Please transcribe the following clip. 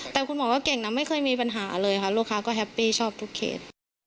แต่คุณหมอก็เก่งนะไม่เคยมีปัญหาเลยค่ะลูกค้าก็แฮปปี้ชอบทุกเขต